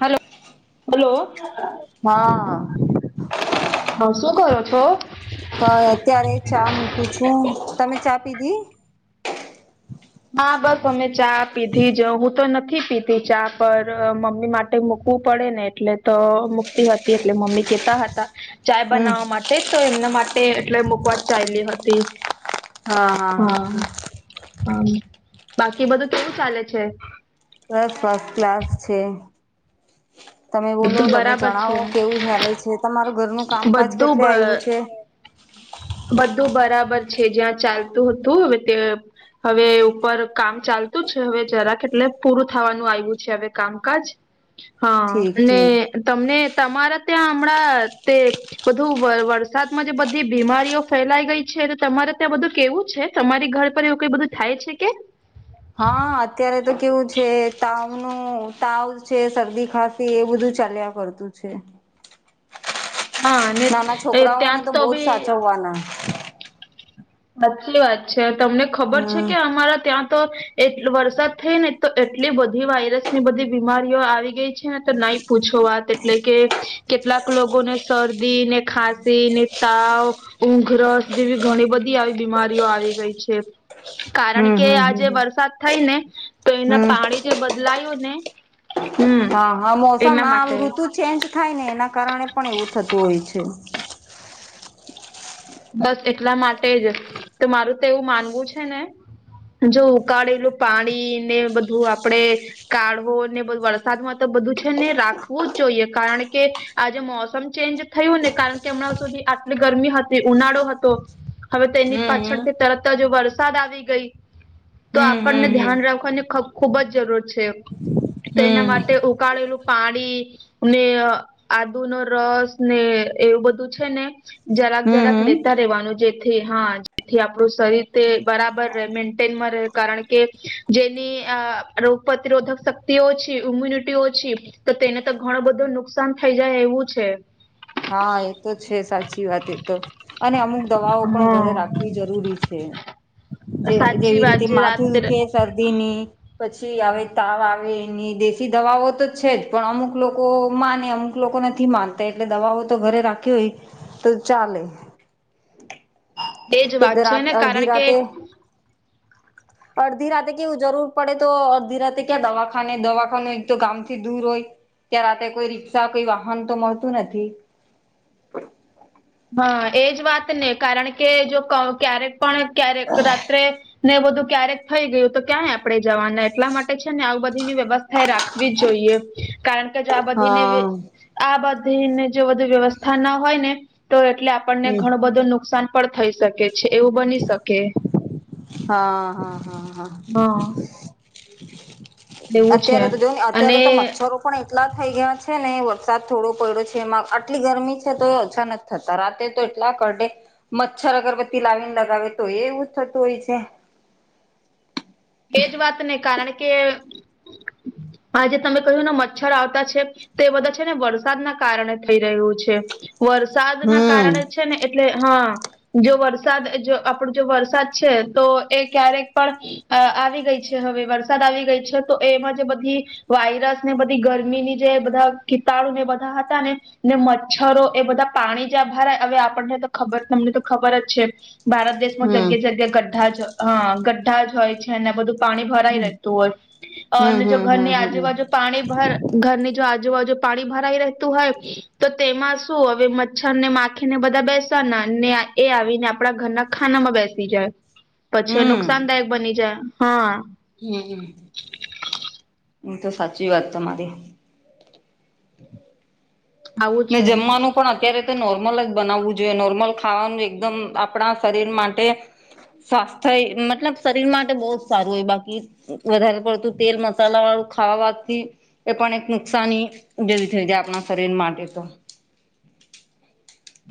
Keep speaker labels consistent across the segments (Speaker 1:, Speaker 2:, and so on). Speaker 1: Hello.
Speaker 2: Hello.
Speaker 1: હા.
Speaker 2: બઉ શું કરો છો.
Speaker 1: પણ અત્યારે ચા મૂકું છું તમે ચા પીધી.
Speaker 2: હા બસ અમે ચા પીધી જ હું તો નથી પીતી ચા પર મમ્મી માટે. ટે મૂકવું પડે ને એટલે તો મુકતી હતી એટલે મમ્મી કહેતા હતા. ચાય
Speaker 1: હમ
Speaker 2: બનાવવા માટે તો એમના માટે એટલે મુકવા ચાલી હતી. હા હા બાકી બધું કેવું ચાલે છે?
Speaker 1: બસ ફસ્ટ ક્લાસ છે. તમે બોલો
Speaker 2: બધું
Speaker 1: તમે
Speaker 2: બરાબર છે
Speaker 1: જણાવો કેવું ચાલે છે તમારું ઘરનું કામકાજ
Speaker 2: બધું
Speaker 1: કેટલે
Speaker 2: બ
Speaker 1: આવ્યું છે?
Speaker 2: બધું બરાબર છે જ્યાં ચાલતું હતું હવે તે હવે ઉપર કામ ચાલતું છે હવે જરાક એટલે પૂરું થવાનું આવ્યું છે હવે કામકાજ
Speaker 1: [inaudible]
Speaker 2: હા અને
Speaker 1: ઠીક
Speaker 2: તમને તમારા ત્યાં હમણાં તે બધું વરસાદમાં જે બ બધી બીમારીઓ ફેલાઈ ગઈ છે તો તમારે ત્યાં બધું કેવું છે તમારી ઘર પર એવું કઈ બધું થાય છે કે?
Speaker 1: હા અત્યારે તો કેવું છે તાવનું તાવ છે શરદી ખાંસી એ બધું ચાલ્યા કરતું તું છે.
Speaker 2: હા અને
Speaker 1: નાના
Speaker 2: એ ત્યાં
Speaker 1: છોકરાઓને
Speaker 2: તો
Speaker 1: બહુ
Speaker 2: બી
Speaker 1: [unintelligible]
Speaker 2: સાચી વાત છે તમને ખબર છે
Speaker 1: હમ
Speaker 2: કે અમારા ત્યાં તો એ વરસાદ થઈ ને તો એટલી બધી વાયરસ ની બધી બીમારીઓ આવી ગઈ છે ને તો નાઇટ પૂછો વાત એટલે કે કેટલાક લોકોને શરદીને ખાંસી ને તાવ ઊંઘરસ જેવી ઘણી બધી આવી બીમારીઓ આવી ગઈ છે. કારણ
Speaker 1: હમ
Speaker 2: કે
Speaker 1: હમ
Speaker 2: આજે
Speaker 1: હમ
Speaker 2: વરસાદ થઈ ને તો એના
Speaker 1: હમ
Speaker 2: પાણી જે બદલાયું ને હમ
Speaker 1: હા હા મોસમ
Speaker 2: એના
Speaker 1: આ
Speaker 2: માટે
Speaker 1: ઋતુ ચેન્જ થાય ને એના કારણે પણ એવું થતું હોય છે.
Speaker 2: બસ એટલા માટે જ તે મારું તો એવું માનવું છે ને જો ઉકાળેલું પાણી ને બધું આપડે કાઢવો નેબ વરસાદમાં તો બધું છે ને રાખવું જ જોઈએ કારણ કે આજે મોસમ ચેન્જ થયું ને કારણ કે હમણાં સુધી આટલી ગરમી હતી. ઉનાળો હતો હવે તેની
Speaker 1: હમ
Speaker 2: પાછળથી તરત જ વરસાદ આવી ગઈ. તો
Speaker 1: હમ
Speaker 2: આપણને
Speaker 1: હમ
Speaker 2: ધ્યાન રાખવાની ખુબ જ જરૂર છે. તો એના
Speaker 1: હમ હમ
Speaker 2: માટે ઉકાળેલું પાણી ને આદુનો રસ ને એવું બધું છે ને જરાક
Speaker 1: હમ
Speaker 2: જરાક લે
Speaker 1: હમ
Speaker 2: લેતા રહેવાનું જેથી હા જેથી આપણું શરીર તે બરાબર મેન્ટેનમાં રહે કારણ કે જેની રોગ પ્રતિરોધક શક્તિ ઓછી ઇમ્યુનિટી ઓછી તો તેને તો ઘણો બધું નુકસાન થઈ જાય એવું છે.
Speaker 1: હા એ તો છે સાચી વાત એ તો અને અમુક દવાઓ પણ
Speaker 2: હા
Speaker 1: ઘરે રાખવી જરૂરી છે. જે
Speaker 2: સાચી
Speaker 1: જેવી રીતે
Speaker 2: વાત જે
Speaker 1: માથું
Speaker 2: રાત
Speaker 1: દૂખે
Speaker 2: એજ
Speaker 1: શરદીની પછી આવે તાવ આવે એની દેશી દવાઓ તો છે જ પણ અમુક લોકો માને અમુક ક લોકો નથી માનતા એટલે દવાઓ તો ઘરે રાખી તો ચાલે એતો
Speaker 2: વાત છે
Speaker 1: રાત
Speaker 2: ને
Speaker 1: અડધી
Speaker 2: કારણ કે
Speaker 1: રાતે અડધી રાતે કેવું જરૂર પડે તો અડધી રાતે ક્યાં દવાખાને દવાખાનું એક તો ગામથી દૂર હોય. ત્યાં રાત્રે કોઈ રિક્ષા કઈ વાહન તો મળતું નથી.
Speaker 2: હા એજ વાત ને કારણ કે જો ક ક્યારેક પણ ક્યારેક રાત્રે ને એ બધું ક્યારેક થઈ ગયું તો ક્યાંય આપડે જવાના એટલા માટે છે ને આવ બધીની વ્યવસ્થા એ રાખવી જોઈએ. કારણ કે જો આ બધીને
Speaker 1: હા
Speaker 2: આ બધીને જો બધુ વ્યવસ્થા ના હોય ને તો એટલે આપણે
Speaker 1: હમ
Speaker 2: ઘણુંબધું નુકસાન પણ થઈ શકે છે એવું બની શકે.
Speaker 1: હા હા હા હા.
Speaker 2: હઅ છે
Speaker 1: અત્યારે તો જો અત્યારે
Speaker 2: અને
Speaker 1: તો મચ્છરો પણ એટલા થઈ ગયા છે. ને વરસાદ થોડો પડ્યો છે. એમાં આટલી ગરમી છે તો ઓછા નથી. થતા રાતે તો એટલા કરડે મચ્છર અગરબત્તી લાવીને લગાવે તો એવું જ થતું હોય છે.
Speaker 2: એજ વાત ને કારણ કે આજે તમે કહ્યું ને મચ્છર આવતા છે. તે બધા છે ને વરસાદના કારણે થઈ રહ્યું છે. વરસાદના
Speaker 1: હમ
Speaker 2: કારણે છે ને એટલે હા જો વરસાદ જો આપણું જો વરસાદ છે. તો એ ક્યારેક પણ અ આવી ગઈ છે. હવે વરસાદ આવી ગઈ છે. તો એમાં જે બધી વાયરસ ને બધી ગરમીની જે બધા ખીતાડુને બધા હતા ને ને મચ્છરો એ બધા પાણી જ્યાં ભરાય હવે આપણને તો ખબર તમને તો ખબર જ છે. ભારત દેશમાં
Speaker 1: હમ
Speaker 2: જગ્યા જગ્યા ગ્ઢા જ હા ગ્ઢા જ હોય. એને બધું પાણી ભરાઈ
Speaker 1: હમ
Speaker 2: રહેેતું હોય.
Speaker 1: હમ
Speaker 2: અને જો
Speaker 1: હમ
Speaker 2: ઘરની
Speaker 1: હમ હમ
Speaker 2: આજુબાજુ પાણી ભરા ઘરની જો આજુબાજુ પાણી ભરાઈ રહેતું હોય. તો તેમાં શું હવે મચ્છરને માખીને બધા બેસવાના એ આવીને આપડા ઘરના ખાનામાં બેસી જાય.
Speaker 1: હમ [unintelligible]
Speaker 2: પછી નુકસાનદાયક બની જાય. હા
Speaker 1: હમ એ તો સાચી વાત તમારી
Speaker 2: આવું
Speaker 1: ને
Speaker 2: છે
Speaker 1: જમવાનું પણ અત્યારે નોર્મલ જ બનાવવું જોઈએ. નોર્મલ ખાવાનું એકદમ આપણા શરીર માટે સ્વાસ્થ્ય મતલબ શરીર માટે બહુ જ સારું હોય બાકી વધારે પડતું તેલ મસાલા વાળું ખાવાથી એ પણ એક નુકસાની જેવી થઈ જાય. આપણા શરીર માટે તો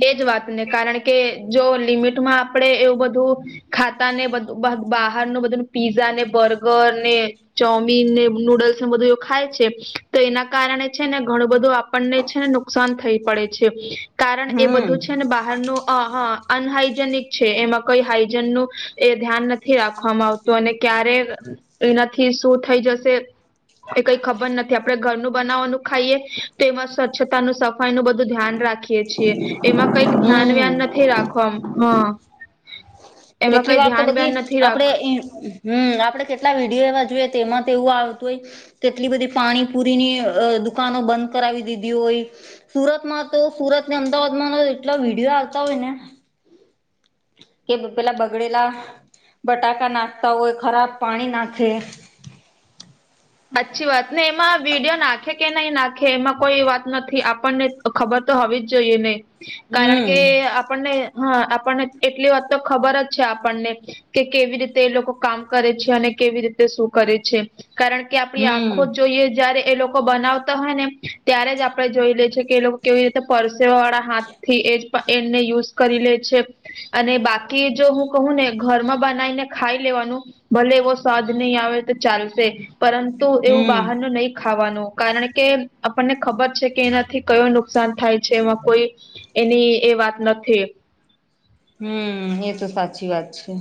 Speaker 2: એજ વાતને કારણ કે જો લીમીટ માઆપણેે એ બધું ખાતા ને બ બહાર ન બધું ન પીઝાને બર્ગરને ચોમીન નૂડલ્સ બધું એ ખાય છે. તો એના કારણે છે ને ઘણું બધું આપણને છે ને નુકસાન થઈ પડે છે. કારણ એ
Speaker 1: હમ
Speaker 2: બધું છે ને બાકી [unintelligible] અનહાઈજેનિક છે એમાં કઈ હાઈજેનુ નું એ ધ્યાન નથી રાખવામાં આવતું. તો અને ક્યારે એનાથી શું થઈ જશે. એ કઈ ખબર નથી. આપડણે ઘરનું બનાવવાનું ખાઈએ તો એમાં સ્વચ્છતાનુ સફાઈનું બધું ધ્યાન રાખીએ. છી. એમાં કઈક ધ્યાન
Speaker 1: હમ
Speaker 2: વ્યાન નથી રાખવામ હ
Speaker 1: તેટલી વાર તો બધી આપડે એ હમ આપડે કેટલા વિડીયો એવા જોઈએ. તેમાં તો એવું આવતું હોય. કેટલી બધી પાણીપુરીની અ દુકાનો બંધ કરાવી દીધી હોય. સુરતમાં તો સુરતને અમદાવાદમાં એટલા વિડીયો આવતા હોય ને કે પેલા બગડેલા બટાકા નાખતા હોય ખરાબ પાણી નાખે
Speaker 2: સાચ્છી વાત ને એમાં વિડીયો નાખે કે નહી નાખે એમાં કોઈ વાત નથી. આપણને ખબર તો હોવી જોઈએ નહી. કારણ કે
Speaker 1: હમ
Speaker 2: આપણને હા આપણને એટલી વાત તો ખબર છે. આપણને કે કેવી રીતે એ લોકો કામ કરે છે. અને કેવી રીતે શું કરે છે કારણ કે કે આપડી
Speaker 1: હમ
Speaker 2: આખો જ જોઈએ. જયારે એ લોકો બનાવતા હોય ને ત્યારે જ આપડે જોઈ લે છે કે લોકો કેવી રીતે પરસે વાળા હાથથી એજ એને યુઝ કરી લે છે. અને બાકી જો હું કહું ને ઘરમાં બનાવીને ખાઈ લેવાનું. ભલે એવો સ્વાદ નહીં આવે તો ચાલશે પરંતુ એવું
Speaker 1: હમ
Speaker 2: બહાર ન નહી ખાવાનું. કારણ કે આપણને ખબર છે કે એનાથી કયો નુકસાન થાય છે. એમાં કોઈ એની એ વાત નથી.
Speaker 1: હમ્મ, એ તો સાચી વાત છે.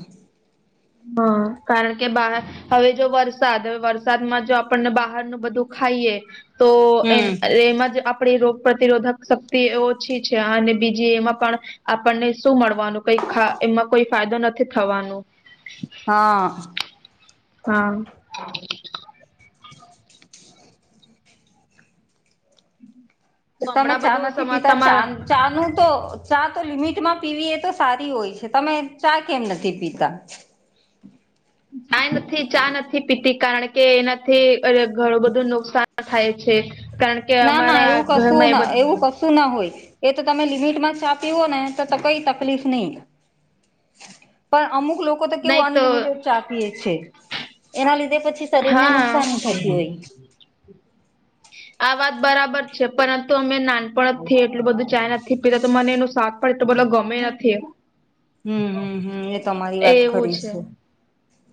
Speaker 2: હા, કારણ કે બા હવે જો વરસાદ. હવે વરસાદમાં જો આપણને બહારનું બધું ખાઈએ તો એન
Speaker 1: હમ
Speaker 2: એમાં જ આ આપણી રોગ પ્રતિરોધક શક્તિ ઓછી છે. અને બીજી એમાં પણ આપણને શું મળવાનું. કઈક ખા એમાં કોઈ ફાયદો નથી થવાનું.
Speaker 1: હા.
Speaker 2: હમ્મ.
Speaker 1: જો
Speaker 2: હું
Speaker 1: તમે
Speaker 2: હમણાં
Speaker 1: ચા
Speaker 2: બધું
Speaker 1: નથી
Speaker 2: સમા
Speaker 1: પીતા, ચા
Speaker 2: તમારા
Speaker 1: ચાનું તો, ચા તો લિમિટમાં પીવી એ તો સારી હોય છે. તમે ચા કેમ નથી પીતા?
Speaker 2: કાંય નથી. ચા નથી પીતી, કારણ કે, એનાથી અર ઘણું બધું નુકસાન થાય છે. કારણ કે
Speaker 1: ના ના,
Speaker 2: અમારા
Speaker 1: એવું કશું
Speaker 2: ઘરમાં
Speaker 1: ન.
Speaker 2: એ બધું
Speaker 1: એવું કશું શું ના હોય. એ તો તમે લિમિટમાં ચા પીવોને, તો કઈ તકલીફ નહીં. પણ અમુક લોકો તો કેવું અનલિમિટેડ ચા પીએે છે. એના લીધે પછી થી શરીરને
Speaker 2: હા
Speaker 1: નુકસાની થતી હોય.
Speaker 2: આ વાત બરાબર છે. પરંતુ અમે નાનપણથી એટલું બધું ચાં નથી પીતા, તો મને એનું સ્વાદ પણ તો બોલો ગમે નથીએ.
Speaker 1: હમ્મ, હમ્મ, હમ્મ. એ તમારી વાત ખરી છે.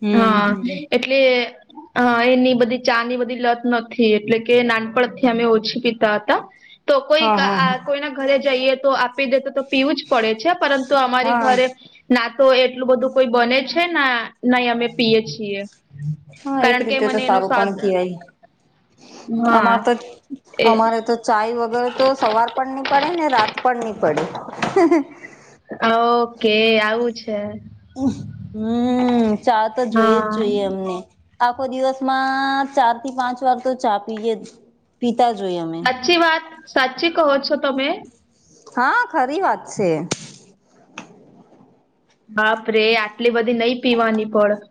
Speaker 1: હમ
Speaker 2: હા.
Speaker 1: હમ
Speaker 2: એટલે હં, એની બધી ચાની બધી લત નથી. એટલે કે નાનપણથી અમે ઓછી પીતા હતા. તો
Speaker 1: હા
Speaker 2: કોઈક
Speaker 1: હા
Speaker 2: આ
Speaker 1: હા
Speaker 2: કોઈના ઘરે જઈએ તો આપી દેતો તો પીવું જ પડે છે. પરંતુ અમારી
Speaker 1: હા
Speaker 2: ઘરે ના તો એટલું બધું કોઈ બને છે, ના નહીં અમે પીએ છીએ.
Speaker 1: હા, એક
Speaker 2: કારણ કે
Speaker 1: રીતે તો
Speaker 2: મને એનો
Speaker 1: સારું
Speaker 2: સ્વાદ
Speaker 1: પણ કેવાય. અમારે
Speaker 2: હા
Speaker 1: તો,
Speaker 2: એ
Speaker 1: અમારે તો ચાય વગેરે તો સવાર પણ નહીં પડે, ને રાત પણ ની પડે. હં હં.
Speaker 2: ઓકે, આવું છે.
Speaker 1: [unintelligible] હમ્મ. ચા તો જોઈએ જ
Speaker 2: હા
Speaker 1: જોઈએ અમને. આખો દિવસમાં, ચાર થી પાંચ વાર તો ચા પીએ જ પીતા જ હોઈએ અમે.
Speaker 2: સાચી વાત? સાચી કહો છો તમે?
Speaker 1: હા, ખરી વાત છે.
Speaker 2: બાપરેે, આટલી બધી નઈં પીવાની પણ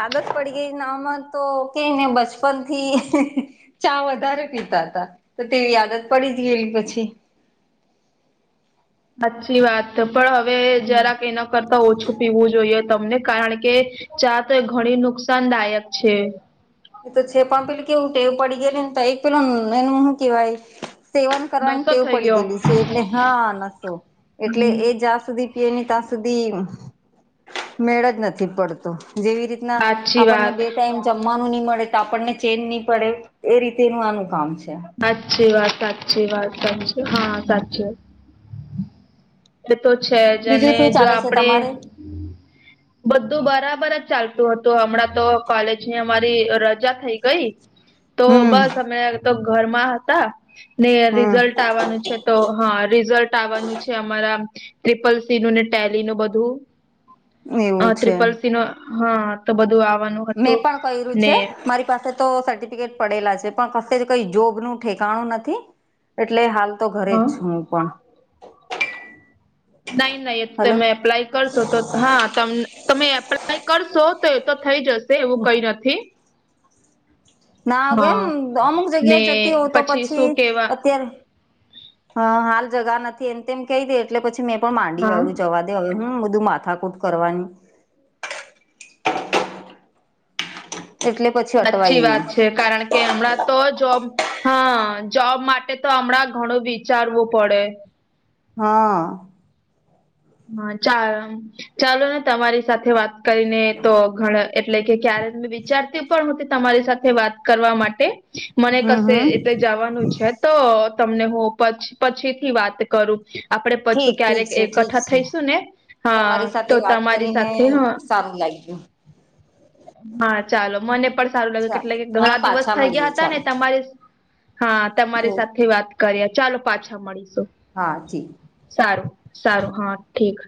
Speaker 1: આદત પડી ગઈ, ના આમાં તો કેઈને બચપન થી હં હં. ચા વધારે પીતા હતા, તો તેવી આદત પડી જ ગયેલી પછી.
Speaker 2: સાચ્ચી વાત. પણ હવે
Speaker 1: હમ.
Speaker 2: જરાક એના કરતા ઓછું પીવું જોઈએ તમને. કારણ કે ચા તો એ ઘણી નુકસાનદાયક છે.
Speaker 1: એ તો છે, પણ પેલું કેવું, ટેવ પડી ગેલી ને તો એક પિલો એન હું કેવાય સેવન કરવાની
Speaker 2: નશો
Speaker 1: ટેવ
Speaker 2: થઈ
Speaker 1: પડી
Speaker 2: ગયો
Speaker 1: ગયેલી છે, એટલે હા નસો. એટલે
Speaker 2: હમ
Speaker 1: એ જ્યાં સુધી પીએ ની તાં સુધી, મેળ જ નથી પડતો. જેવી રીત ના,
Speaker 2: સાચી
Speaker 1: આપણને
Speaker 2: વાત
Speaker 1: બે ટાઈમ જમવાનું ની મળે તો આપણને ચેન ની પડે, એ રીતેનું આનું કામ છે.
Speaker 2: સાચ્ચી વાત, સાચ્ચી વાત, સાચ્ચી વાત. હા સાચ્ચી વાત. તો છે જ
Speaker 1: બીજું
Speaker 2: અને
Speaker 1: શું
Speaker 2: જો
Speaker 1: ચાલે છે
Speaker 2: આપડે
Speaker 1: તમારે
Speaker 2: બધું બરાબર ચાલતું હતું હમણાં તો કોલેજની રજા થઈ ગઈ.
Speaker 1: [inaudible]
Speaker 2: તો બસ અમે તો ઘરમાં હતા. ને
Speaker 1: હમ
Speaker 2: રિઝલ્ટ આવવાનું છે તો હા રિઝલ્ટ આવવાનું છે. ્રિપલ સી નું ને ટેલી નું બધું
Speaker 1: એવું છે.
Speaker 2: ત્રિપલ સ ન- હા તો બધું આવવાનું
Speaker 1: મેં
Speaker 2: હતું
Speaker 1: પણ કર્યું
Speaker 2: ને
Speaker 1: છે મારી પાસે તો સર્ટિફિકેટ પડેલા છે પણ ક જ કઈ જોબ નું ઠેકાણું નથી એટલે હાલ તો ઘરે જ છું હું પણ
Speaker 2: નહી નહી એ
Speaker 1: હલો
Speaker 2: તમે એપ્લાય કરશો તો હા ત તમે એપ્લાય કરશો તો તો થઈ જશે. એવું કઈ નથી.
Speaker 1: હ. ના એમ
Speaker 2: હા
Speaker 1: અમુક
Speaker 2: ને
Speaker 1: જગ્યાએ જતી હોય તો પછી
Speaker 2: શું કેવા
Speaker 1: અત્યારે- હા હાલ જગા નથી એમ તેમમ કહી દે એટલે પછી મેં પણ માંડી
Speaker 2: હા
Speaker 1: વાયું જવા દ હવે હું બધું માથાકૂટ કરવાની. એટલે. પછી
Speaker 2: સાચ્છી
Speaker 1: અટવાઈ
Speaker 2: વાત
Speaker 1: હું
Speaker 2: છે કારણ કે હમણાં તો જોબ હા જોબ માટે તો હમણાં વિચારવું.
Speaker 1: હા.
Speaker 2: હા ચ ચાલો ને તમારી સાથે વાત કરીને તો ઘણા- એટલે કે ક્યારે મેં વિચારતી પણ તમારી સાથે વાત કરવા માટે મને
Speaker 1: હમ
Speaker 2: કશે
Speaker 1: હમ
Speaker 2: એટલે જવાનું છે તો તમને હું પછીથી વાત કરું. આપડે પછું
Speaker 1: ઠીક ઠીક
Speaker 2: ક્યારેક
Speaker 1: છે ઠીક
Speaker 2: એકઠા
Speaker 1: છે
Speaker 2: થઈશું ને
Speaker 1: તમારી
Speaker 2: હા તો
Speaker 1: સાથે વાત
Speaker 2: તમારી
Speaker 1: કરીને
Speaker 2: સાથે હ
Speaker 1: સારું લાગ્યું
Speaker 2: હા ચાલો મને પણ સારું લાગ્યું કેટલે
Speaker 1: ચાલો
Speaker 2: કે
Speaker 1: હા
Speaker 2: ઘણા દિવસ
Speaker 1: પાછા
Speaker 2: થઈ
Speaker 1: મળીએ
Speaker 2: ગયા હતા ને
Speaker 1: ચાલો
Speaker 2: તમારે હા તમારી સાથે વાત કરી્યા ચાલો પાછા મળીશું.
Speaker 1: હા જી.
Speaker 2: સારું સારું હા ઠીક.